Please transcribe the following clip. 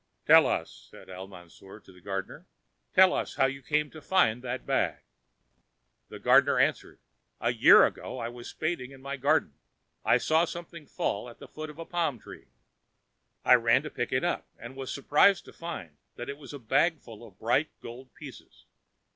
"Tell us," said Al Mansour to the gardener, "tell us how you came to find that bag." The gardener answered: "A year ago, as I was spading in my garden, I saw something fall at the foot of a palm tree. I ran to pick it up and was surprised to find that it was a bag full of bright gold pieces.